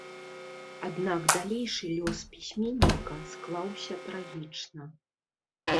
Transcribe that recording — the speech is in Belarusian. Аднак далейшы лёс пісьменніка склаўся трагічна.